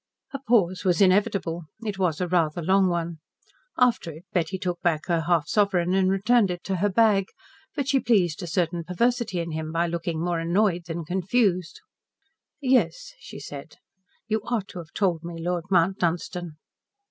A pause was inevitable. It was a rather long one. After it, Betty took back her half sovereign and returned it to her bag, but she pleased a certain perversity in him by looking more annoyed than confused. "Yes," she said. "You ought to have told me, Lord Mount Dunstan."